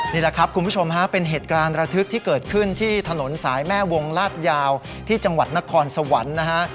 นี่แหละครับคุณผู้ชมฮะเป็นเหตุการณ์ระทึกที่เกิดขึ้นที่ถนนสายแม่วงลาดยาวที่จังหวัดนครสวรรค์นะฮะ